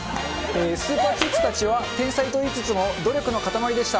スーパーキッズたちは、天才といいつつも努力の塊でした。